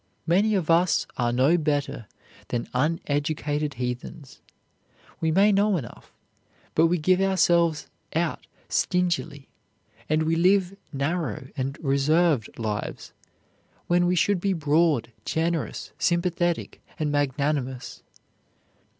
Many of us are no better than uneducated heathens. We may know enough, but we give ourselves out stingily and we live narrow and reserved lives, when we should be broad, generous, sympathetic, and magnanimous.